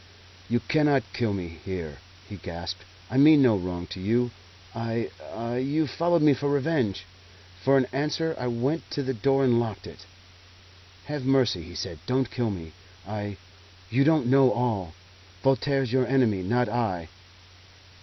"You cannot kill me here!" he gasped. "I mean no wrong to you. I Ah, you've followed me for revenge." For an answer I went to the door and locked it. "Have mercy!" he said. "Don't kill me. I you don't know all! Voltaire's your enemy, not I."